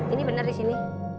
ini benar di sini